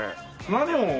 何を。